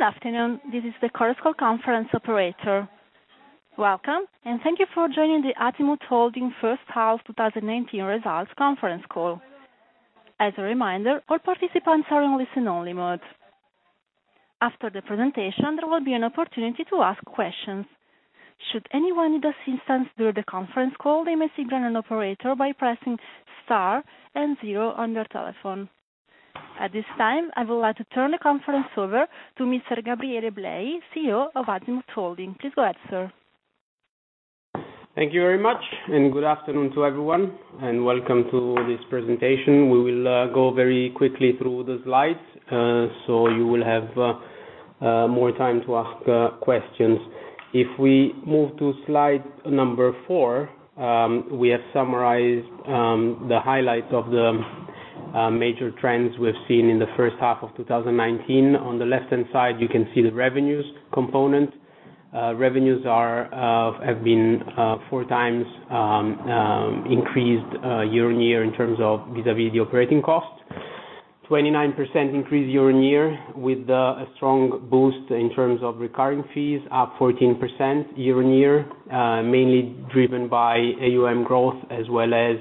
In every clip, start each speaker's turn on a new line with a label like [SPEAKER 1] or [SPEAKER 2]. [SPEAKER 1] Good afternoon. This is the Chorus Call conference operator. Welcome. Thank you for joining the Azimut Holding First Half 2019 Results conference call. As a reminder, all participants are in listen-only mode. After the presentation, there will be an opportunity to ask questions. Should anyone need assistance during the conference call, they may signal an operator by pressing Star and Zero on their telephone. At this time, I would like to turn the conference over to Mr. Gabriele Blei, CEO of Azimut Holding. Please go ahead, sir.
[SPEAKER 2] Thank you very much. Good afternoon to everyone. Welcome to this presentation. We will go very quickly through the slides. You will have more time to ask questions. If we move to slide number four, we have summarized the highlights of the major trends we've seen in the first half of 2019. On the left-hand side, you can see the revenues component. Revenues have been four times increased year-on-year in terms of vis-à-vis the operating cost. 29% increase year-on-year with a strong boost in terms of recurring fees, up 14% year-on-year, mainly driven by AUM growth as well as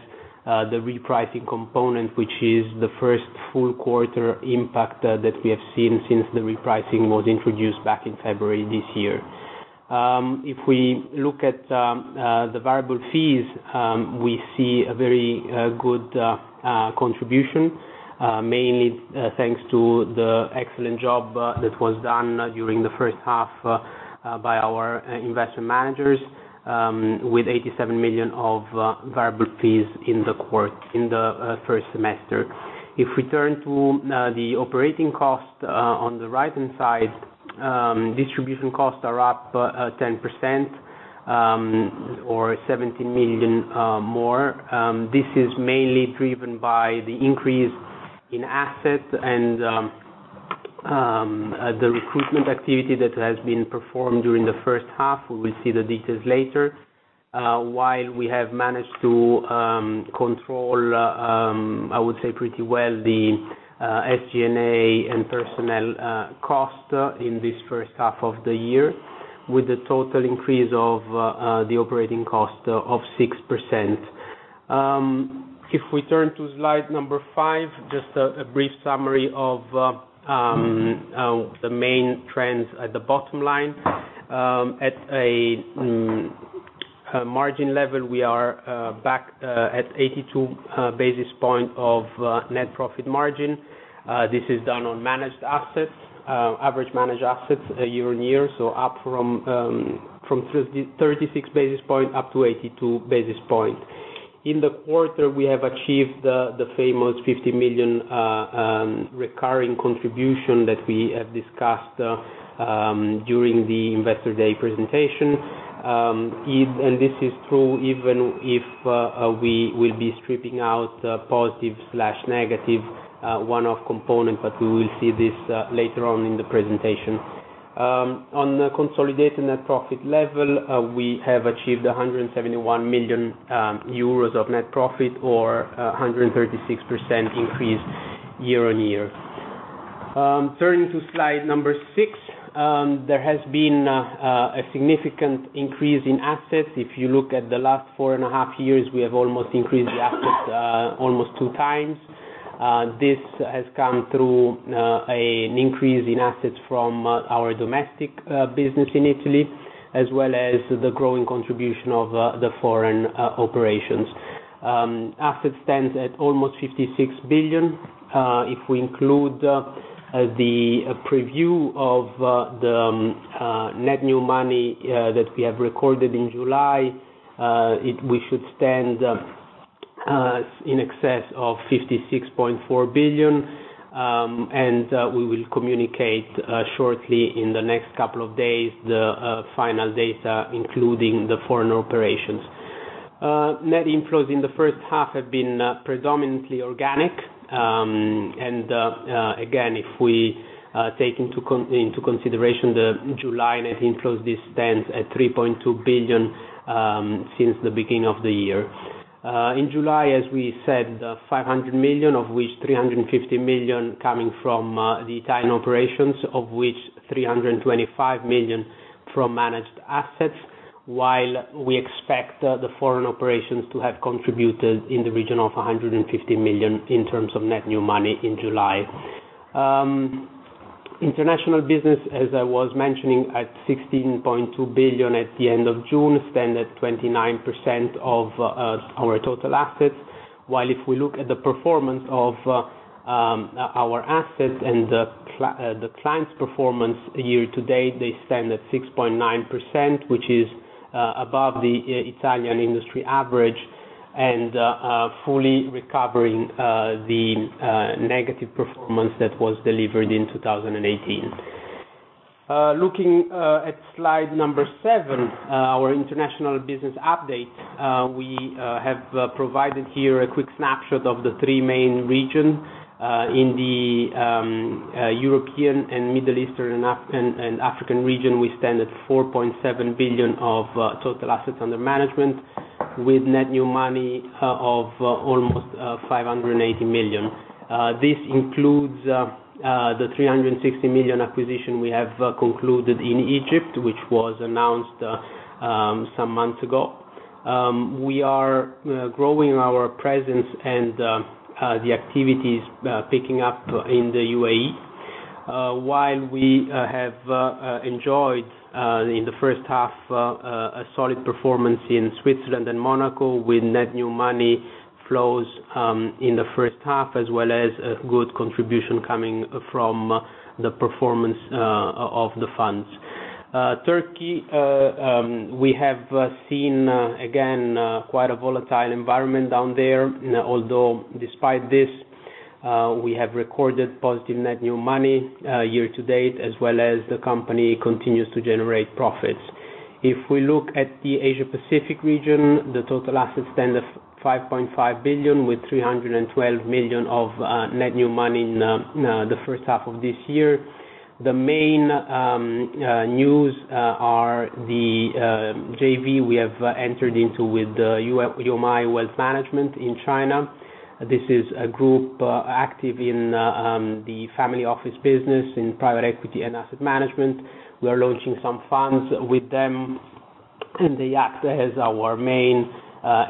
[SPEAKER 2] the repricing component, which is the first full quarter impact that we have seen since the repricing was introduced back in February this year. If we look at the variable fees, we see a very good contribution, mainly thanks to the excellent job that was done during the first half by our investment managers with 87 million of variable fees in the first semester. If we turn to the operating cost on the right-hand side, distribution costs are up 10% or 17 million more. This is mainly driven by the increase in assets and the recruitment activity that has been performed during the first half. We will see the details later. While we have managed to control, I would say pretty well, the SG&A and personnel cost in this first half of the year, with a total increase of the operating cost of 6%. If we turn to slide number five, just a brief summary of the main trends at the bottom line. At a margin level, we are back at 82 basis points of net profit margin. This is done on managed assets, average managed assets year-over-year, up from 36 basis points up to 82 basis points. In the quarter, we have achieved the famous 50 million recurring contribution that we have discussed during the Investor Day presentation. This is true even if we will be stripping out positive/negative one-off component, we will see this later on in the presentation. On the consolidated net profit level, we have achieved 171 million euros of net profit or 136% increase year-over-year. Turning to slide number six, there has been a significant increase in assets. If you look at the last four and a half years, we have almost increased the assets almost two times. This has come through an increase in assets from our domestic business in Italy, as well as the growing contribution of the foreign operations. Asset stands at almost 56 billion. If we include the preview of the net new money that we have recorded in July, we should stand in excess of 56.4 billion. We will communicate shortly in the next couple of days, the final data, including the foreign operations. Net inflows in the first half have been predominantly organic. Again, if we take into consideration the July net inflows, this stands at 3.2 billion since the beginning of the year. In July, as we said, 500 million, of which 350 million coming from the Italian operations, of which 325 million from managed assets, while we expect the foreign operations to have contributed in the region of 150 million in terms of net new money in July. International business, as I was mentioning, at 16.2 billion at the end of June, stand at 29% of our total assets. If we look at the performance of our assets and the client's performance year to date, they stand at 6.9%, which is above the Italian industry average and fully recovering the negative performance that was delivered in 2018. Looking at slide number seven, our international business update. We have provided here a quick snapshot of the three main region. In the European and Middle Eastern and African region, we stand at 4.7 billion of total assets under management, with net new money of almost 580 million. This includes the 360 million acquisition we have concluded in Egypt, which was announced some months ago. We are growing our presence and the activities picking up in the UAE, while we have enjoyed, in the first half, a solid performance in Switzerland and Monaco with net new money flows in the first half, as well as a good contribution coming from the performance of the funds. Turkey, we have seen, again, quite a volatile environment down there, although despite this, we have recorded positive net new money year to date, as well as the company continues to generate profits. If we look at the Asia Pacific region, the total assets stand at 5.5 billion, with 312 million of net new money in the first half of this year. The main news are the JV we have entered into with Youmy Wealth Management in China. This is a group active in the family office business in private equity and asset management. We are launching some funds with them, and they act as our main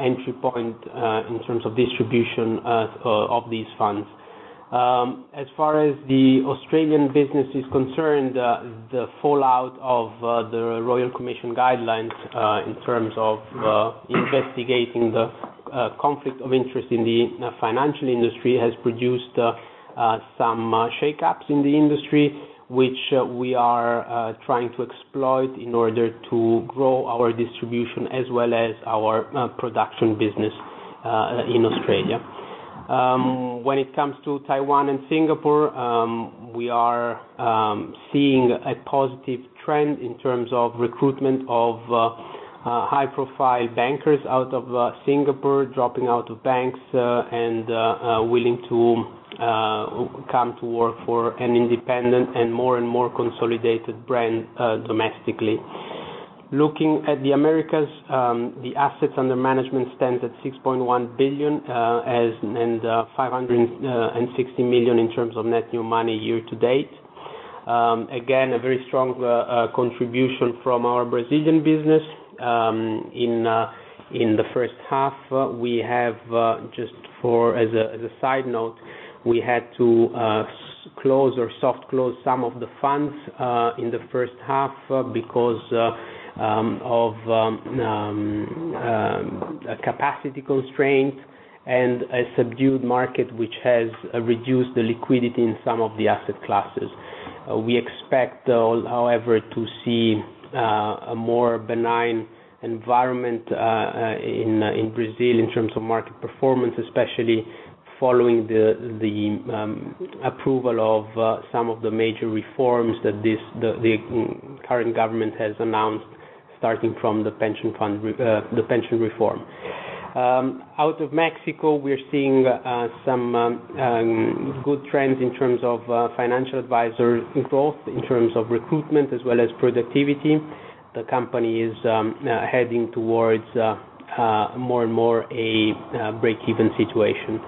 [SPEAKER 2] entry point in terms of distribution of these funds. As far as the Australian business is concerned, the fallout of the Royal Commission guidelines in terms of investigating the conflict of interest in the financial industry has produced some shakeups in the industry, which we are trying to exploit in order to grow our distribution as well as our production business in Australia. When it comes to Taiwan and Singapore, we are seeing a positive trend in terms of recruitment of high-profile bankers out of Singapore, dropping out of banks and willing to come to work for an independent and more and more consolidated brand domestically. Looking at the Americas, the assets under management stand at 6.1 billion, and 560 million in terms of net new money year to date. Again, a very strong contribution from our Brazilian business. In the first half, as a side note, we had to close or soft close some of the funds in the first half because of capacity constraints and a subdued market, which has reduced the liquidity in some of the asset classes. We expect, however, to see a more benign environment in Brazil in terms of market performance, especially following the approval of some of the major reforms that the current government has announced, starting from the pension reform. Out of Mexico, we're seeing some good trends in terms of financial advisor growth, in terms of recruitment as well as productivity. The company is heading towards more and more a breakeven situation.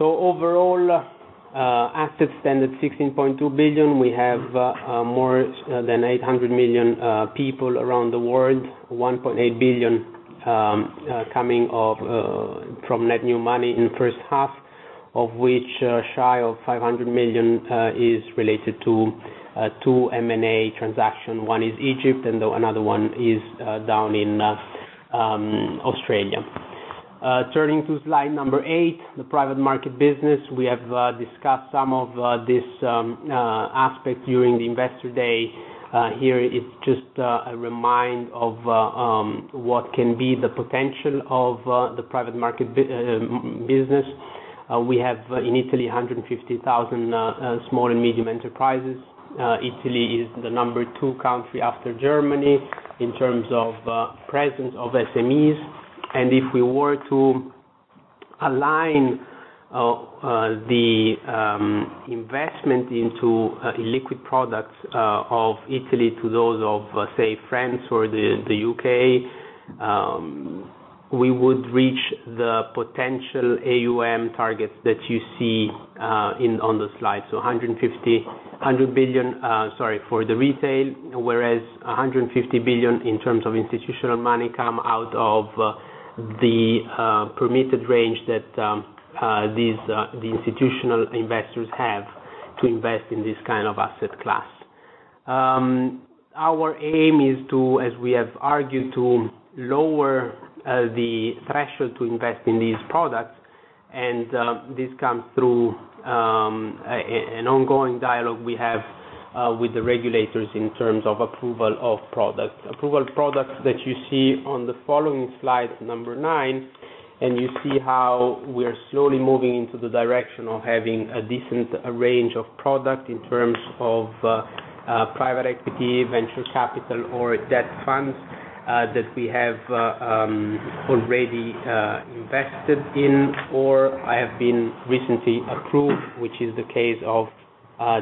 [SPEAKER 2] Overall, assets stand at 16.2 billion. We have more than 800 million people around the world, 1.8 billion coming from net new money in the first half, of which shy of 500 million is related to two M&A transaction. One is Egypt and another one is down in Australia. Turning to slide number eight, the private market business. We have discussed some of this aspect during the investor day. Here is just a reminder of what can be the potential of the private market business. We have in Italy 150,000 small and medium enterprises. Italy is the number two country after Germany in terms of presence of SMEs. If we were to align the investment into illiquid products of Italy to those of, say, France or the U.K., we would reach the potential AUM targets that you see on the slide. 100 billion for the retail, whereas 150 billion in terms of institutional money come out of the permitted range that the institutional investors have to invest in this kind of asset class. Our aim is to, as we have argued, to lower the threshold to invest in these products, and this comes through an ongoing dialogue we have with the regulators in terms of approval of product. Approval products that you see on the following slide, number nine, and you see how we're slowly moving into the direction of having a decent range of product in terms of private equity, venture capital, or debt funds that we have already invested in, or have been recently approved, which is the case of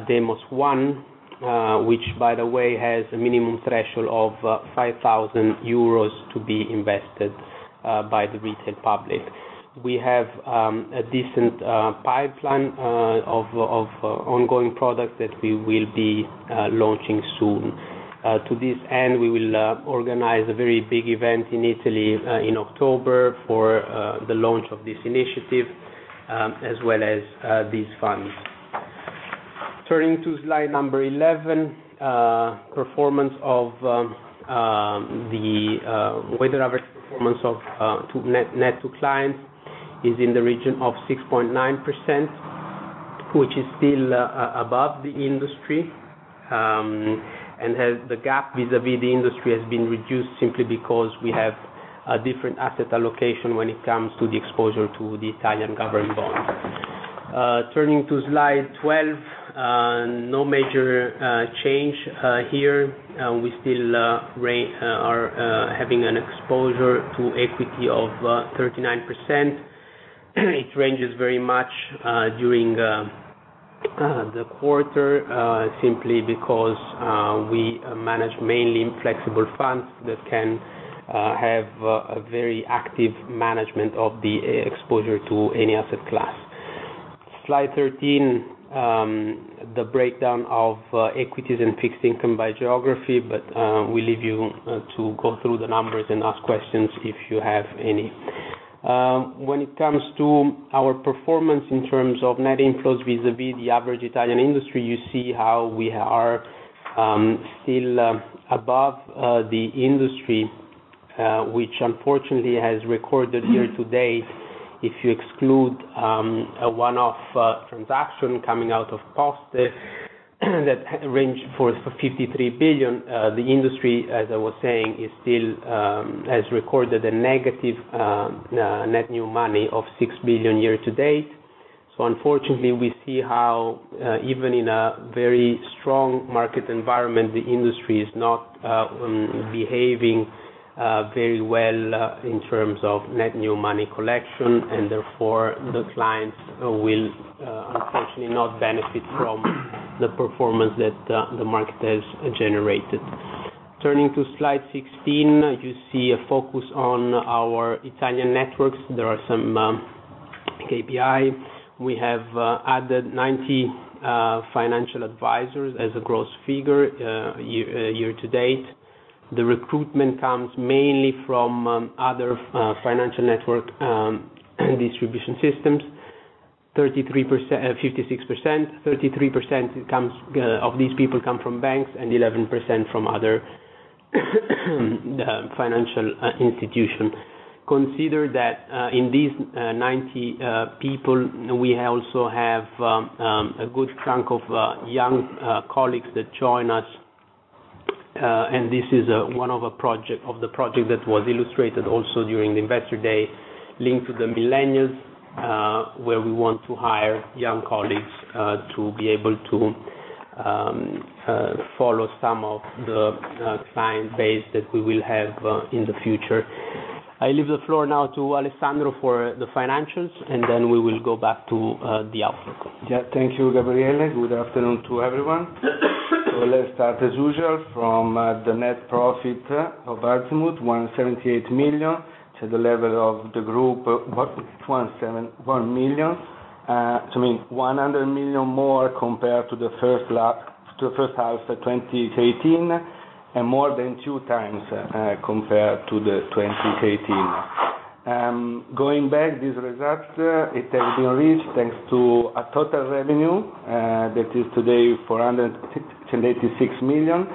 [SPEAKER 2] Demos 1, which by the way has a minimum threshold of 5,000 euros to be invested by the retail public. We have a decent pipeline of ongoing products that we will be launching soon. To this end, we will organize a very big event in Italy in October for the launch of this initiative, as well as these funds. Turning to slide number 11, weighted average performance of net to clients is in the region of 6.9%, which is still above the industry, and the gap vis-a-vis the industry has been reduced simply because we have a different asset allocation when it comes to the exposure to the Italian government bonds. Turning to slide 12. No major change here. We still are having an exposure to equity of 39%. It ranges very much during the quarter, simply because we manage mainly in flexible funds that can have a very active management of the exposure to any asset class. Slide 13, the breakdown of equities and fixed income by geography. We leave you to go through the numbers and ask questions if you have any. When it comes to our performance in terms of net inflows vis-a-vis the average Italian industry, you see how we are still above the industry, which unfortunately has recorded year to date, if you exclude a one-off transaction coming out of Poste that ranged for 53 billion. The industry, as I was saying, still has recorded a negative net new money of 6 billion year to date. Unfortunately, we see how even in a very strong market environment, the industry is not behaving very well in terms of net new money collection, and therefore the clients will unfortunately not benefit from the performance that the market has generated. Turning to slide 16, you see a focus on our Italian networks. There are some KPI. We have added 90 financial advisors as a gross figure year to date. The recruitment comes mainly from other financial network distribution systems, 56%, 33% of these people come from banks, and 11% from other financial institutions. Consider that in these 90 people, we also have a good chunk of young colleagues that join us. This is one of the project that was illustrated also during the investor day linked to the millennials, where we want to hire young colleagues to be able to follow some of the client base that we will have in the future. I leave the floor now to Alessandro for the financials, and then we will go back to the outlook.
[SPEAKER 3] Yeah. Thank you, Gabriele. Good afternoon to everyone. Let's start as usual from the net profit of Azimut, 178 million to the level of the group, 1 million. To me, 100 million more compared to the first half of 2018, and more than two times compared to the 2018. Going back these results, it has been reached thanks to a total revenue that is today 486 million.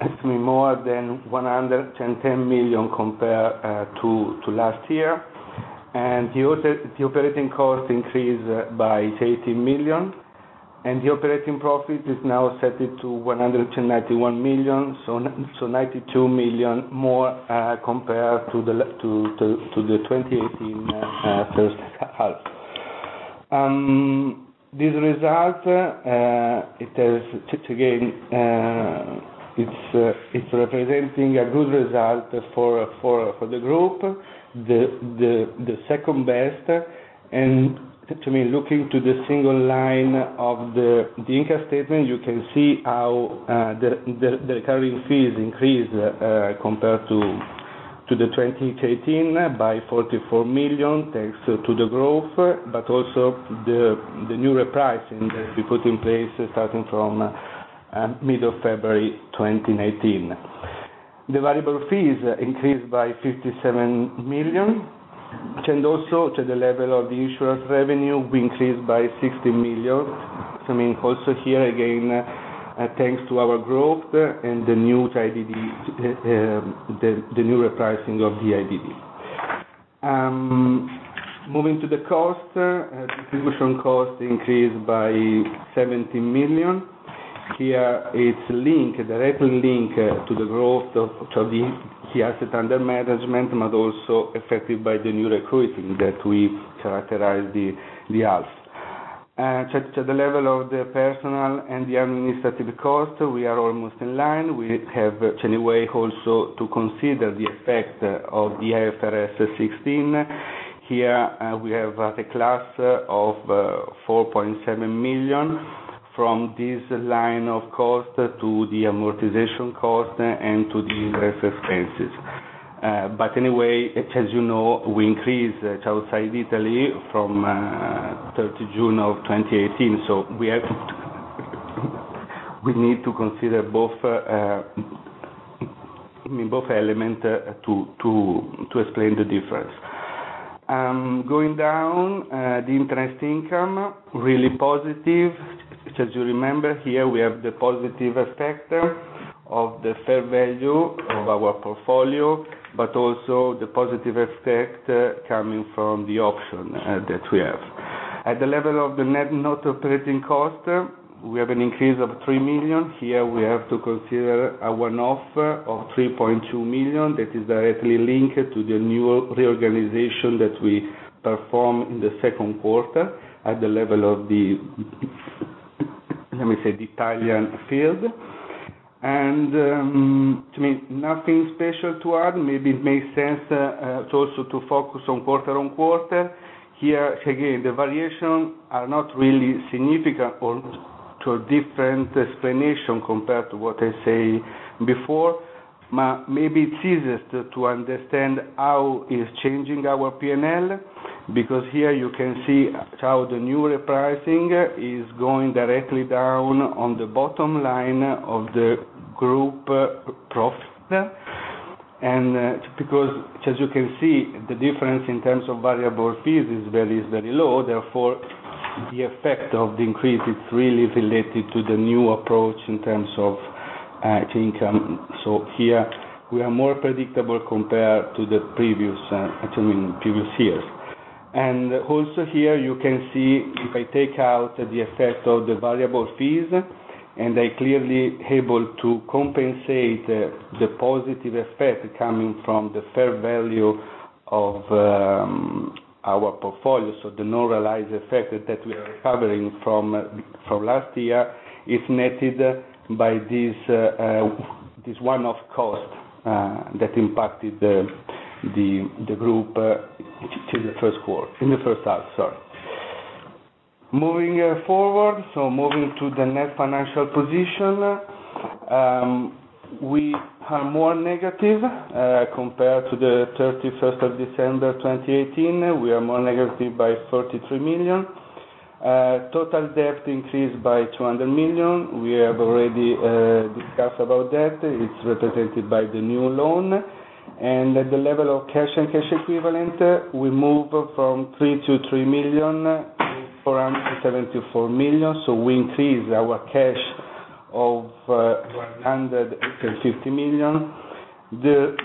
[SPEAKER 3] Excuse me, more than 110 million compared to last year. The operating cost increased by 80 million, and the operating profit is now set to 191 million, so 92 million more compared to the 2018 first half. These result, again, it's representing a good result for the group, the second best. To me, looking to the single line of the income statement, you can see how the recurring fees increased compared to the 2018 by 44 million, thanks to the growth, but also the new repricing that we put in place starting from mid of February 2019. The variable fees increased by 57 million, and also to the level of the insurance revenue increased by 60 million. Also here, again, thanks to our growth and the new repricing of the IDD. Moving to the cost, distribution cost increased by 70 million. Here, it's directly linked to the growth of the asset under management, but also affected by the new recruiting that we characterize the half. To the level of the personal and the administrative cost, we are almost in line. We have, anyway, also to consider the effect of the IFRS 16. Here, we have a class of 4.7 million from this line of cost to the amortization cost and to the interest expenses. Anyway, as you know, we increase outside Italy from 30th June of 2018. We need to consider both elements to explain the difference. Going down, the interest income, really positive. As you remember, here we have the positive effect of the fair value of our portfolio, but also the positive effect coming from the option that we have. At the level of the net non-operating cost, we have an increase of 3 million. Here, we have to consider a one-off of 3.2 million that is directly linked to the new reorganization that we performed in the second quarter at the level of the, let me say, the Italian field. To me, nothing special to add. Maybe it makes sense also to focus on quarter-on-quarter. Here, again, the variation are not really significant or to a different explanation compared to what I say before. Maybe it's easier to understand how is changing our P&L, because here you can see how the new repricing is going directly down on the bottom line of the group profit. Because, as you can see, the difference in terms of variable fees is very low, therefore, the effect of the increase is really related to the new approach in terms of income. Here we are more predictable compared to the previous years. Also here you can see if I take out the effect of the variable fees, and I clearly able to compensate the positive effect coming from the fair value of our portfolio. The normalized effect that we are recovering from last year is netted by this one-off cost that impacted the group in the first half. Moving forward, moving to the net financial position. We are more negative compared to the 31st of December 2018. We are more negative by 33 million. Total debt increased by 200 million. We have already discussed about that. It's represented by the new loan. At the level of cash and cash equivalent, we move from 323 million to 474 million, so we increase our cash of 150 million. The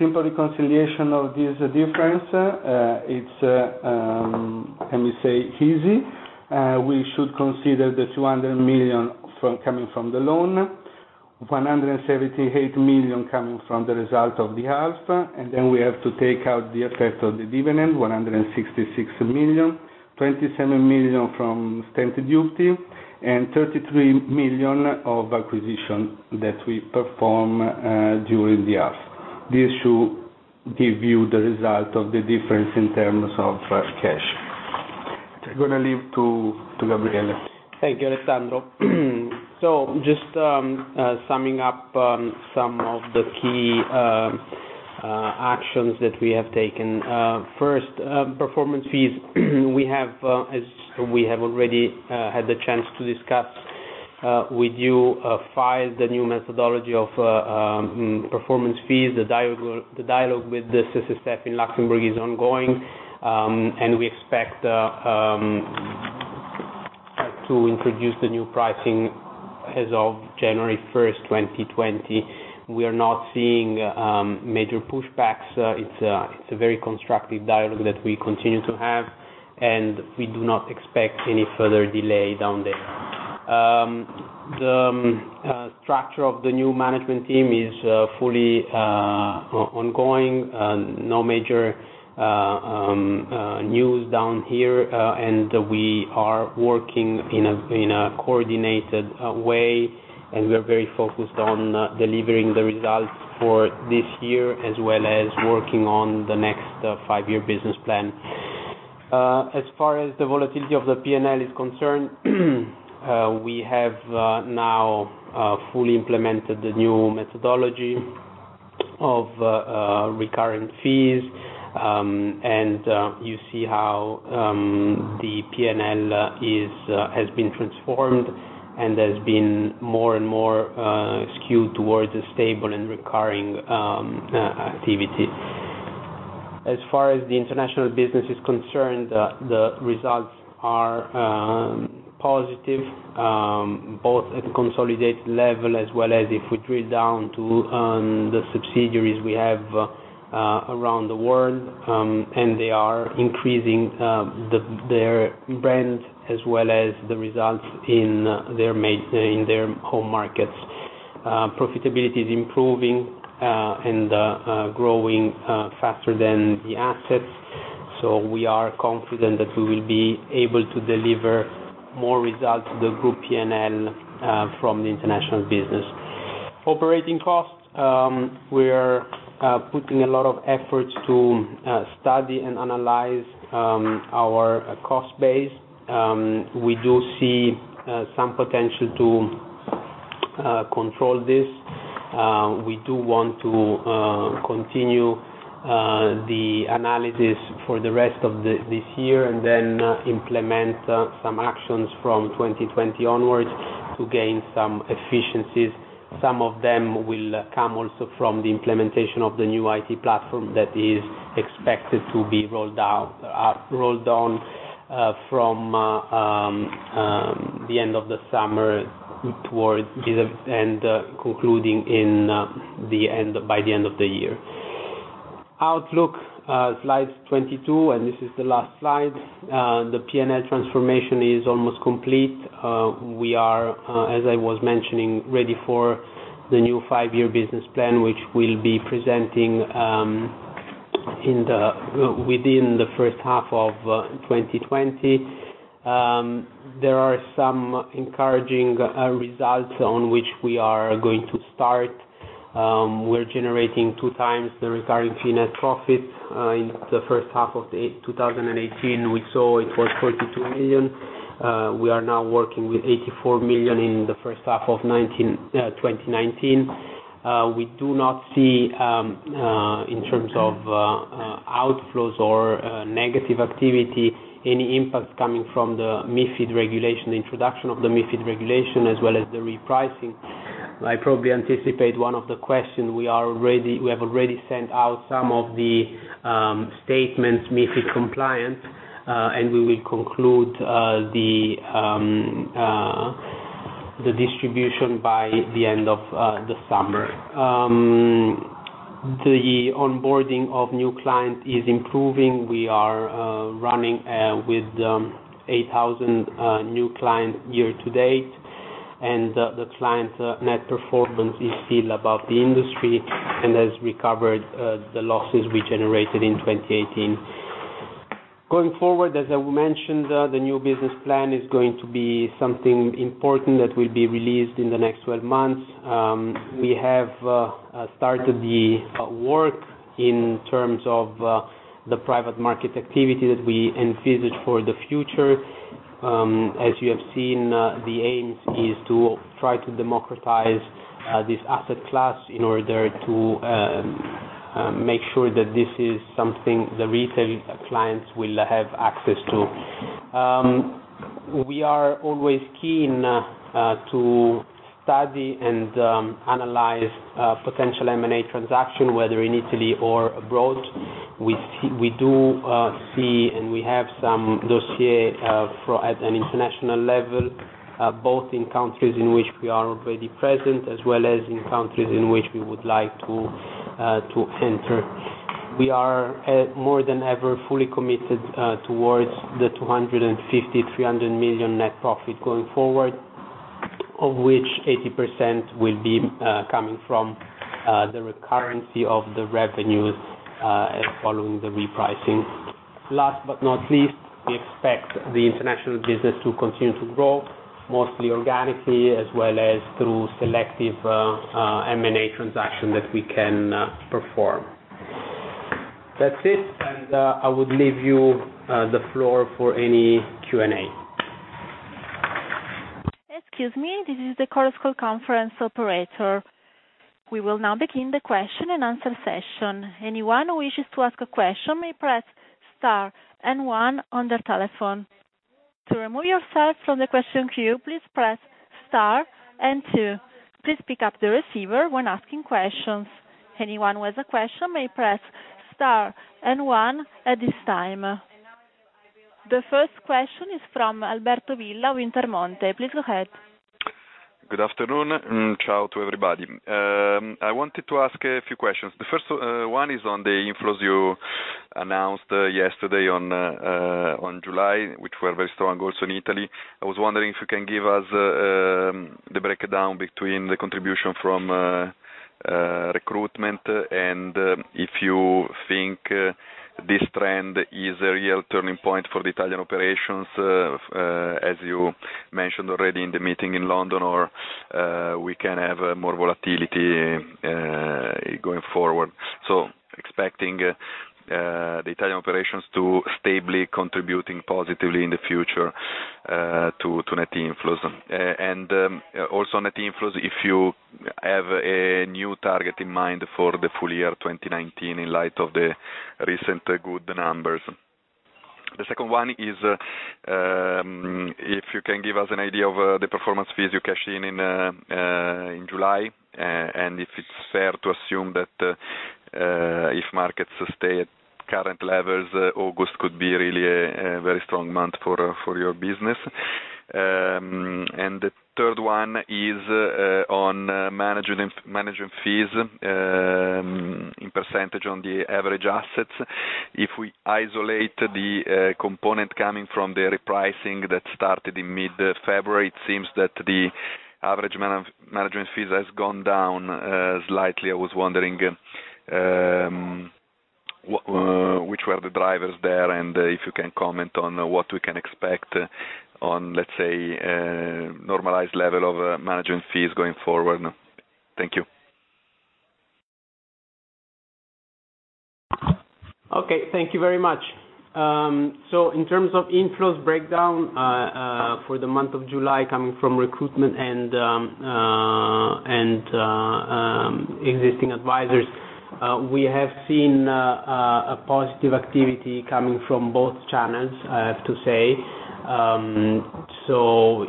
[SPEAKER 3] simple reconciliation of this difference, it's easy. We should consider the 200 million coming from the loan, 178 million coming from the result of the half, and then we have to take out the effect of the dividend, 166 million, 27 million from stamp duty, and 33 million of acquisition that we perform during the half. This should give you the result of the difference in terms of cash. I'm going to leave to Gabriele.
[SPEAKER 2] Thank you, Alessandro. Just summing up some of the key actions that we have taken. First, performance fees. We have already had the chance to discuss with you, filed the new methodology of performance fees. The dialogue with the CSSF in Luxembourg is ongoing, and we expect to introduce the new pricing as of January 1st, 2020. We are not seeing major pushbacks. It's a very constructive dialogue that we continue to have, and we do not expect any further delay down there. The structure of the new management team is fully ongoing. No major news down here, and we are working in a coordinated way, and we're very focused on delivering the results for this year, as well as working on the next five-year business plan. As far as the volatility of the P&L is concerned, we have now fully implemented the new methodology of recurring fees. You see how the P&L has been transformed and has been more and more skewed towards a stable and recurring activity. As far as the international business is concerned, the results are positive, both at the consolidated level as well as if we drill down to the subsidiaries we have around the world, and they are increasing their brands as well as the results in their home markets. Profitability is improving, and growing faster than the assets. We are confident that we will be able to deliver more results to the group P&L from the international business. Operating costs. We are putting a lot of efforts to study and analyze our cost base. We do see some potential to control this. We do want to continue the analysis for the rest of this year, and then implement some actions from 2020 onwards to gain some efficiencies. Some of them will come also from the implementation of the new IT platform that is expected to be rolled on from the end of the summer towards the end, concluding by the end of the year. Outlook, slide 22. This is the last slide. The P&L transformation is almost complete. We are, as I was mentioning, ready for the new five-year business plan, which we'll be presenting within the first half of 2020. There are some encouraging results on which we are going to start. We're generating two times the recurring P&L profit. In the first half of 2018, we saw it was 42 million. We are now working with 84 million in the first half of 2019. We do not see, in terms of outflows or negative activity, any impact coming from the MiFID regulation, the introduction of the MiFID regulation, as well as the repricing. I probably anticipate one of the questions. We have already sent out some of the statements MiFID compliance. We will conclude the distribution by the end of the summer. The onboarding of new clients is improving. We are running with 8,000 new clients year to date. The client net performance is still above the industry and has recovered the losses we generated in 2018. Going forward, as I mentioned, the new business plan is going to be something important that will be released in the next 12 months. We have started the work in terms of the private market activity that we envisage for the future. As you have seen, the aim is to try to democratize this asset class in order to make sure that this is something the retail clients will have access to. We are always keen to study and analyze potential M&A transaction, whether in Italy or abroad. We do see, and we have some dossier at an international level, both in countries in which we are already present, as well as in countries in which we would like to enter. We are, more than ever, fully committed towards the 250 million-300 million net profit going forward, of which 80% will be coming from the recurrency of the revenues following the repricing. Last but not least, we expect the international business to continue to grow, mostly organically, as well as through selective M&A transaction that we can perform. That's it, and I would leave you the floor for any Q&A.
[SPEAKER 1] Excuse me, this is the conference call conference operator. We will now begin the question and answer session. Anyone who wishes to ask a question may press star and 1 on their telephone. To remove yourself from the question queue, please press star and 2. Please pick up the receiver when asking questions. Anyone with a question may press star and 1 at this time. The first question is from Alberto Villa, Intermonte. Please go ahead.
[SPEAKER 4] Good afternoon, ciao to everybody. I wanted to ask a few questions. The first one is on the inflows you announced yesterday on July, which were very strong also in Italy. I was wondering if you can give us the breakdown between the contribution from recruitment, and if you think this trend is a real turning point for the Italian operations, as you mentioned already in the meeting in London, or we can have more volatility going forward. Expecting the Italian operations to stably contributing positively in the future to net inflows. Also net inflows, if you have a new target in mind for the full year 2019 in light of the recent good numbers. The second one is if you can give us an idea of the performance fees you cash in in July, and if it's fair to assume that if markets stay at current levels, August could be really a very strong month for your business. The third one is on management fees in % on the average assets. If we isolate the component coming from the repricing that started in mid-February, it seems that the average management fees has gone down slightly. I was wondering which were the drivers there, and if you can comment on what we can expect on, let's say, normalized level of management fees going forward. Thank you.
[SPEAKER 2] Okay, thank you very much. In terms of inflows breakdown for the month of July coming from recruitment and existing advisors, we have seen a positive activity coming from both channels, I have to say.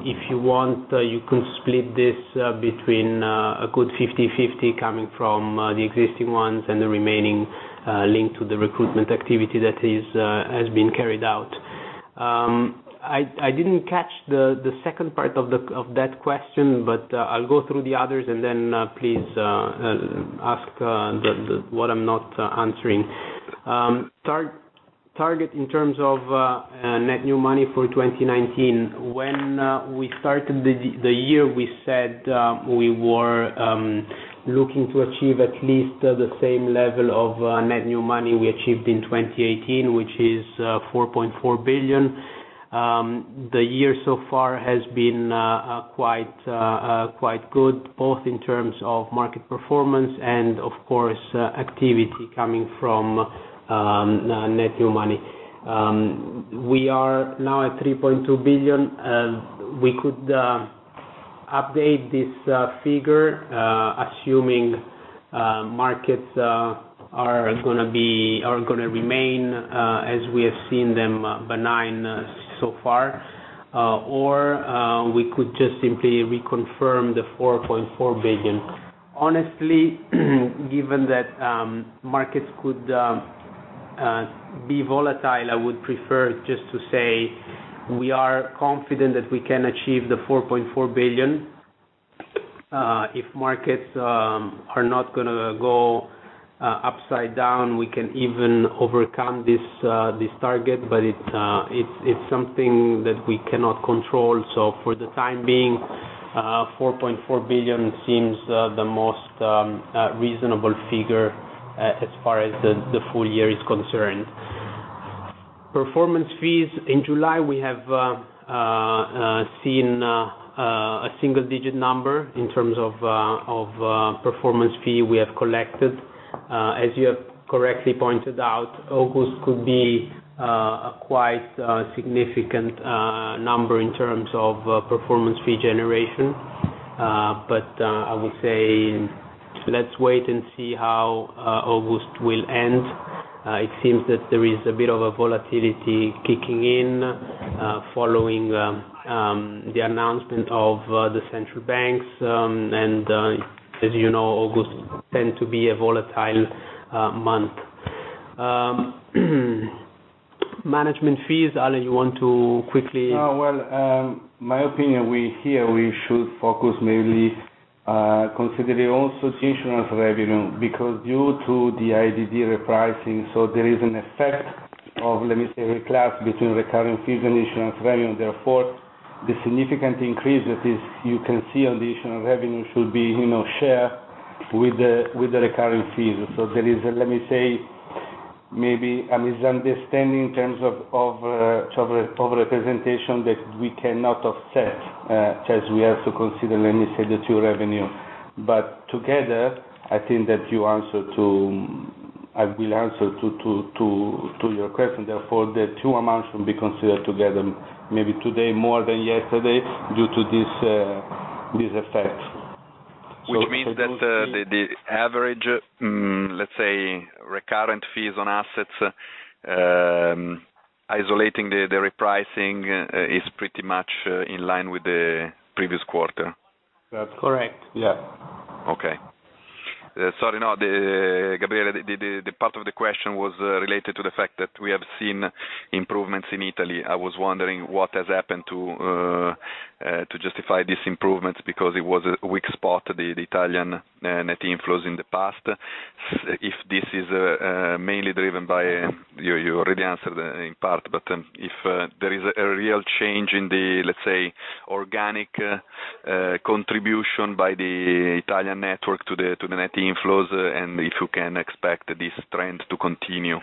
[SPEAKER 2] If you want, you could split this between a good 50/50 coming from the existing ones and the remaining link to the recruitment activity that has been carried out. I didn't catch the second part of that question, but I'll go through the others and then please ask what I'm not answering. Target in terms of net new money for 2019. When we started the year, we said we were looking to achieve at least the same level of net new money we achieved in 2018, which is 4.4 billion. The year so far has been quite good, both in terms of market performance and of course, activity coming from net new money. We are now at 3.2 billion. We could update this figure, assuming markets are going to remain as we have seen them, benign so far, or we could just simply reconfirm the 4.4 billion. Honestly, given that markets could be volatile, I would prefer just to say we are confident that we can achieve the 4.4 billion. If markets are not going to go upside down, we can even overcome this target, but it's something that we cannot control. For the time being, 4.4 billion seems the most reasonable figure as far as the full year is concerned. Performance fees. In July, we have seen a single-digit number in terms of performance fee we have collected. As you have correctly pointed out, August could be a quite significant number in terms of performance fee generation. I would say let's wait and see how August will end. It seems that there is a bit of a volatility kicking in following the announcement of the central banks, and as you know, August tends to be a volatile month. Management fees. Ale, you want to quickly?
[SPEAKER 3] My opinion, here we should focus mainly considering also insurance revenue, because due to the IDD repricing, there is an effect of, let me say, a class between recurring fees and insurance revenue, therefore the significant increase that is, you can see on the insurance revenue should be shared with the recurring fees. There is a, let me say, maybe a misunderstanding in terms of over-representation that we cannot offset, because we have to consider, let me say, the two revenue. Together, I think that I will answer to your question, therefore, the two amounts will be considered together, maybe today more than yesterday due to this effect.
[SPEAKER 4] Which means that the average, let's say, recurrent fees on assets, isolating the repricing, is pretty much in line with the previous quarter.
[SPEAKER 3] That's correct.
[SPEAKER 2] Correct.
[SPEAKER 3] Yeah.
[SPEAKER 4] Okay. Sorry, no, Gabriele, the part of the question was related to the fact that we have seen improvements in Italy. I was wondering what has happened to justify this improvement because it was a weak spot, the Italian net inflows in the past. If there is a real change in the, let's say, organic contribution by the Italian network to the net inflows, and if you can expect this trend to continue.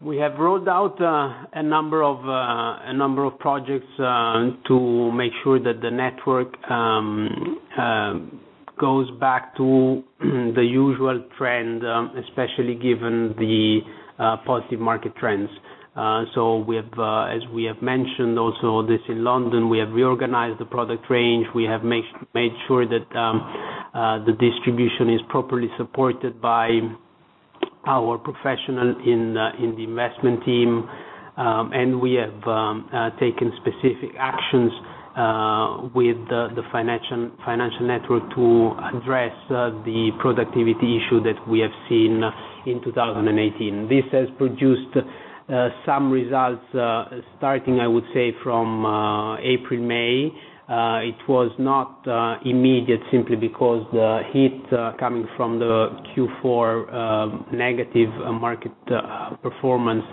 [SPEAKER 2] We have rolled out a number of projects to make sure that the network goes back to the usual trend, especially given the positive market trends. As we have mentioned also this in London, we have reorganized the product range. We have made sure that the distribution is properly supported by our professional in the investment team. We have taken specific actions with the financial network to address the productivity issue that we have seen in 2018. This has produced some results, starting, I would say, from April, May. It was not immediate simply because the hit coming from the Q4 negative market performance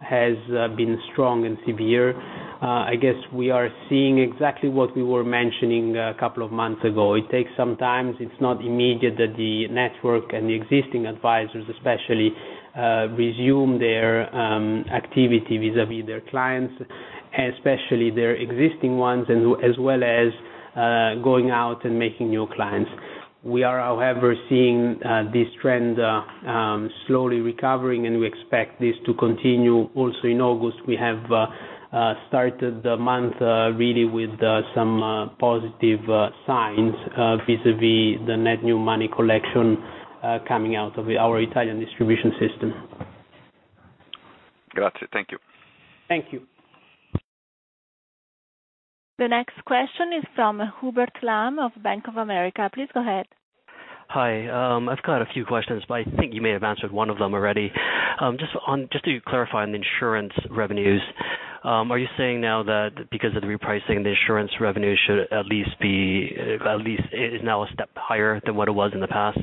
[SPEAKER 2] has been strong and severe. I guess we are seeing exactly what we were mentioning a couple of months ago. It takes some time. It's not immediate that the network and the existing advisors especially, resume their activity vis-a-vis their clients, and especially their existing ones, as well as going out and making new clients. We are, however, seeing this trend slowly recovering, and we expect this to continue also in August. We have started the month, really with some positive signs vis-a-vis the net new money collection coming out of our Italian distribution system.
[SPEAKER 4] Got you. Thank you.
[SPEAKER 2] Thank you.
[SPEAKER 1] The next question is from Hubert Lam of Bank of America. Please go ahead.
[SPEAKER 5] Hi. I've got a few questions, but I think you may have answered one of them already. Just to clarify on the insurance revenues, are you saying now that because of the repricing, the insurance revenue should at least is now a step higher than what it was in the past?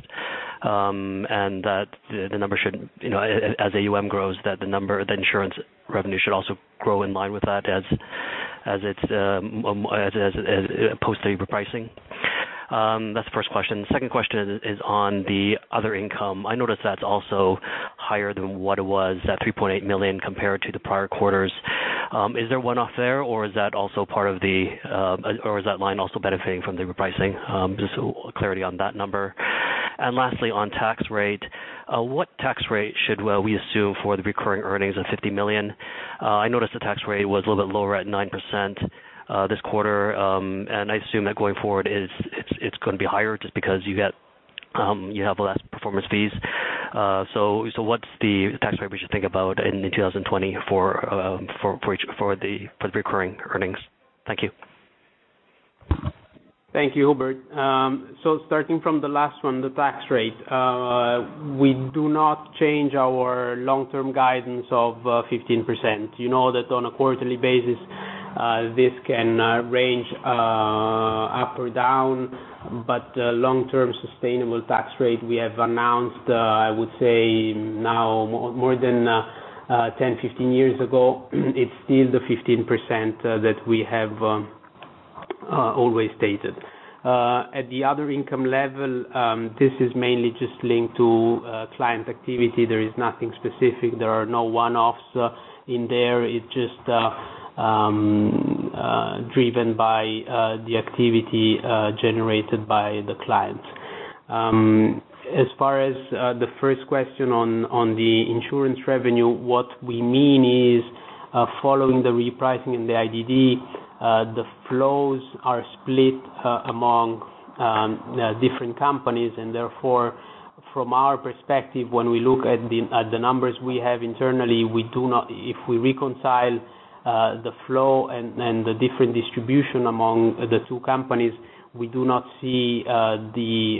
[SPEAKER 5] That the number should, as AUM grows, that the insurance revenue should also grow in line with that as post the repricing? That's the first question. Second question is on the other income. I noticed that's also higher than what it was, that 3.8 million compared to the prior quarters. Is there a one-off there or is that line also benefiting from the repricing? Just clarity on that number. Lastly, on tax rate, what tax rate should we assume for the recurring earnings of 50 million? I noticed the tax rate was a little bit lower at 9% this quarter. I assume that going forward it's going to be higher just because you have less performance fees. What's the tax rate we should think about in 2024 for the recurring earnings? Thank you.
[SPEAKER 2] Thank you, Hubert. Starting from the last one, the tax rate. We do not change our long-term guidance of 15%. You know that on a quarterly basis, this can range up or down, but long-term sustainable tax rate we have announced, I would say now more than 10, 15 years ago, it's still the 15% that we have always stated. At the other income level, this is mainly just linked to client activity. There is nothing specific. There are no one-offs in there. It's just driven by the activity generated by the clients. As far as the first question on the insurance revenue, what we mean is, following the repricing in the IDD, the flows are split among the different companies, and therefore, from our perspective, when we look at the numbers we have internally, if we reconcile the flow and the different distribution among the two companies, we do not see the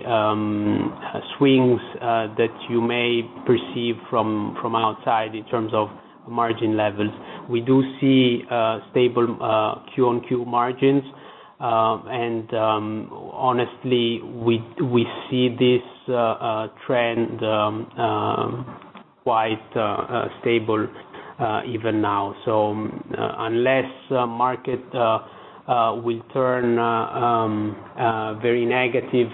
[SPEAKER 2] swings that you may perceive from outside in terms of margin levels. We do see stable Q on Q margins. Honestly, we see this trend quite stable even now. Unless market will turn very negative,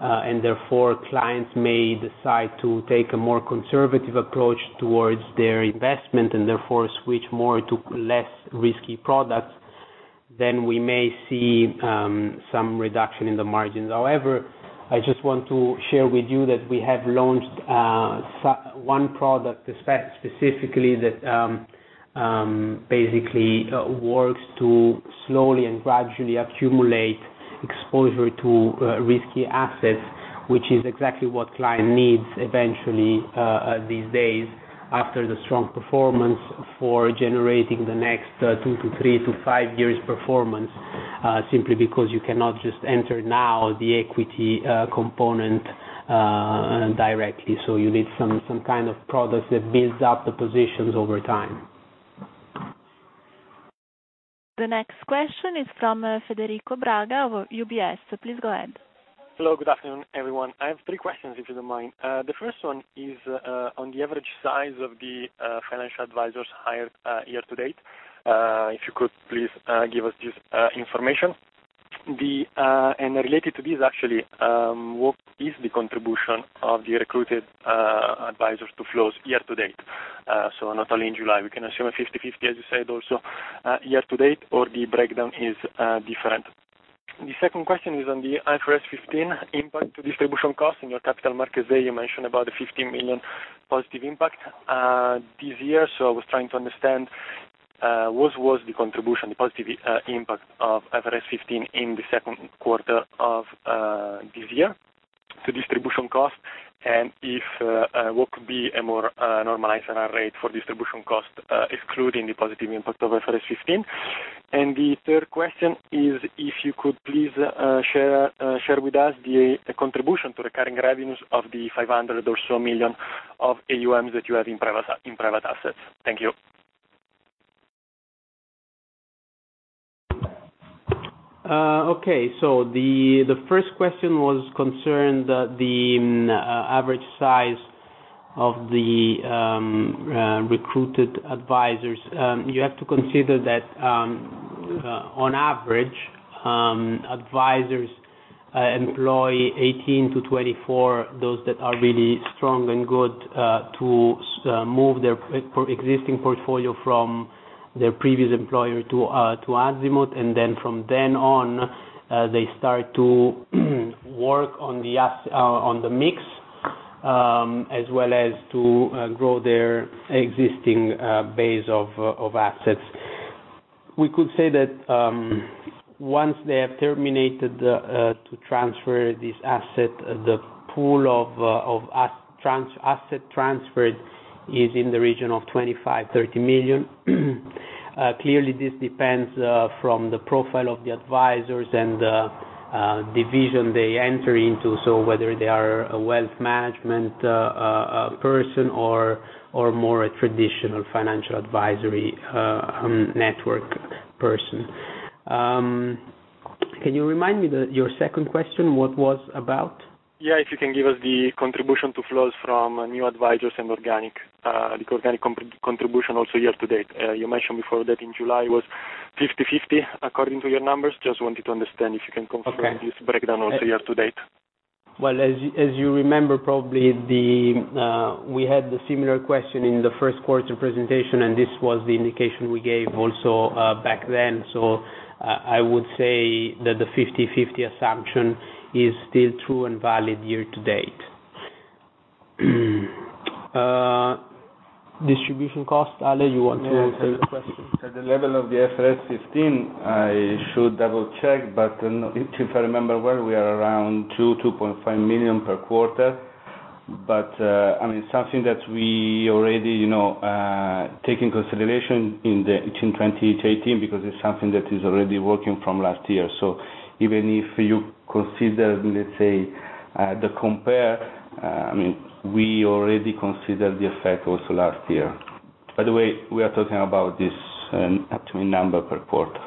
[SPEAKER 2] and therefore clients may decide to take a more conservative approach towards their investment, and therefore switch more to less risky products, then we may see some reduction in the margins. However, I just want to share with you that we have launched one product specifically that basically works to slowly and gradually accumulate exposure to risky assets, which is exactly what client needs eventually these days after the strong performance for generating the next 2 to 3 to 5 years performance, simply because you cannot just enter now the equity component directly. You need some kind of product that builds up the positions over time.
[SPEAKER 1] The next question is from Federico Braga of UBS. Please go ahead.
[SPEAKER 6] Hello. Good afternoon, everyone. I have three questions, if you don't mind. The first one is on the average size of the financial advisors hired year to date. If you could please give us this information. Related to this, actually, what is the contribution of the recruited advisors to flows year to date? Not only in July. We can assume a 50/50, as you said, also year to date, or the breakdown is different. The second question is on the IFRS 15 impact to distribution costs. In your Capital Markets Day, you mentioned about a 15 million positive impact this year. I was trying to understand what was the contribution, the positive impact of IFRS 15 in the second quarter of this year to distribution cost, and what could be a more normalized annual rate for distribution cost, excluding the positive impact of IFRS 15. The third question is if you could please share with us the contribution to recurring revenues of the 500 million or so of AUMs that you have in private assets. Thank you.
[SPEAKER 2] Okay. The first question concerned the average size of the recruited advisors. You have to consider that, on average, advisors employ 18 to 24, those that are really strong and good to move their existing portfolio from their previous employer to Azimut. From then on, they start to work on the mix, as well as to grow their existing base of assets. We could say that once they have terminated to transfer this asset, the pool of asset transferred is in the region of 25 million-30 million. Clearly, this depends from the profile of the advisors and the division they enter into. Whether they are a wealth management person or more a traditional financial advisory network person. Can you remind me, your second question, what was about?
[SPEAKER 6] Yeah, if you can give us the contribution to flows from new advisors and organic contribution also year to date. You mentioned before that in July it was 50/50 according to your numbers. Just wanted to understand if you can confirm?
[SPEAKER 2] Okay
[SPEAKER 6] this breakdown also year-to-date.
[SPEAKER 2] Well, as you remember, probably, we had the similar question in the first quarter presentation, and this was the indication we gave also back then. I would say that the 50/50 assumption is still true and valid year to date. Distribution cost. Ale, you want to answer the question?
[SPEAKER 3] At the level of the IFRS 15, I should double-check, if I remember well, we are around 2 million-2.5 million per quarter. It's something that we already take in consideration in 2018, because it's something that is already working from last year. Even if you consider, let's say, the compare, we already considered the effect also last year. By the way, we are talking about this actually number per quarter.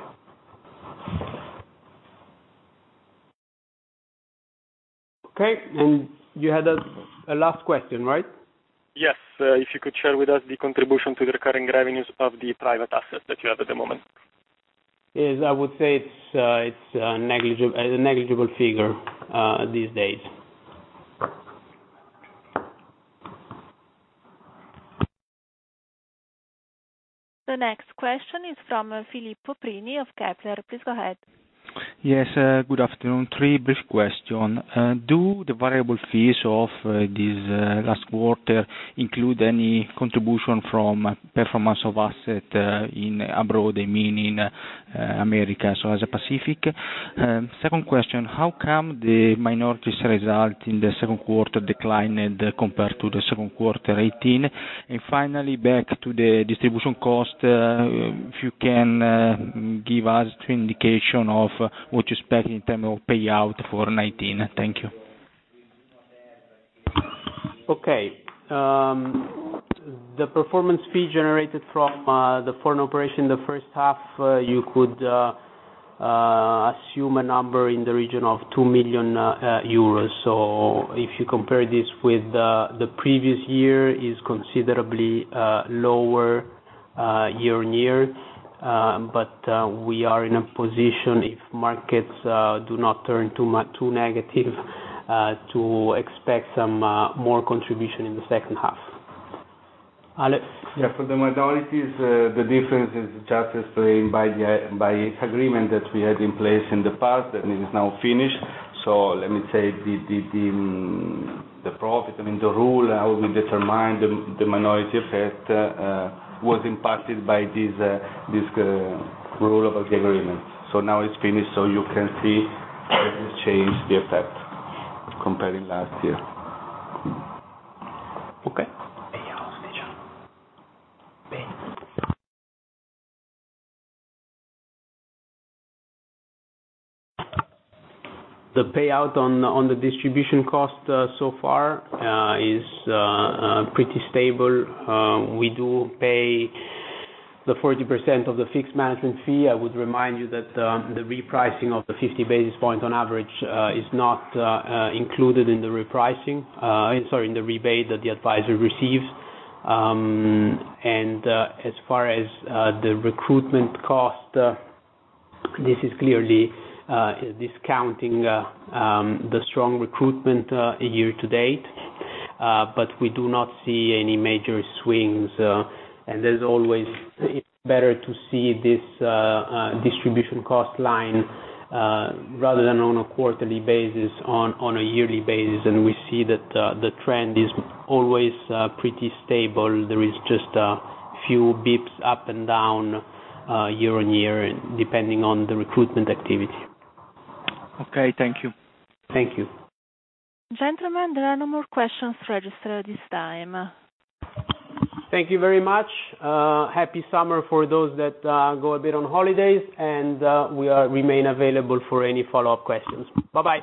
[SPEAKER 2] Okay, you had a last question, right?
[SPEAKER 6] Yes. If you could share with us the contribution to the recurring revenues of the private assets that you have at the moment.
[SPEAKER 2] Yes, I would say it's a negligible figure these days.
[SPEAKER 1] The next question is from Filippo Prini of Kepler. Please go ahead.
[SPEAKER 7] Yes, good afternoon. Three brief question. Do the variable fees of this last quarter include any contribution from performance of asset in abroad, meaning America, so Asia Pacific? Second question, how come the minority results in the second quarter declined compared to the second quarter 2018? Finally, back to the distribution cost, if you can give us an indication of what you expect in term of payout for 2019. Thank you.
[SPEAKER 2] Okay. The performance fee generated from the foreign operation the first half, you could assume a number in the region of 2 million euros. If you compare this with the previous year, is considerably lower year-on-year. We are in a position, if markets do not turn too negative, to expect some more contribution in the second half. Ale?
[SPEAKER 3] Yeah, for the minorities, the difference is just explained by agreement that we had in place in the past, and it is now finished. Let me say, the profit, I mean, the rule how we determine the minority effect, was impacted by this rule of agreement. Now it's finished, so you can see it has changed the effect comparing last year.
[SPEAKER 2] Okay. The payout on the distribution cost so far is pretty stable. We do pay the 40% of the fixed management fee. I would remind you that the repricing of the 50 basis points on average is not included in the rebate that the advisor receives. As far as the recruitment cost, this is clearly discounting the strong recruitment year to date. We do not see any major swings. As always, it's better to see this distribution cost line, rather than on a quarterly basis, on a yearly basis. We see that the trend is always pretty stable. There is just a few bips up and down year-on-year, depending on the recruitment activity.
[SPEAKER 7] Okay, thank you.
[SPEAKER 2] Thank you.
[SPEAKER 1] Gentlemen, there are no more questions registered at this time.
[SPEAKER 2] Thank you very much. Happy summer for those that go a bit on holidays, and we remain available for any follow-up questions. Bye-bye.